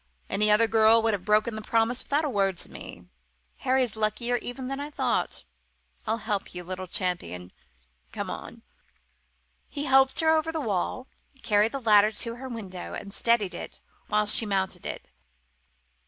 Any other girl would have broken the promise without a word to me. Harry's luckier even than I thought. I'll help you, little champion! Come on." He helped her over the wall; carried the ladder to her window, and steadied it while she mounted it.